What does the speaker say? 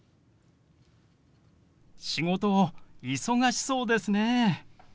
「仕事忙しそうですね」。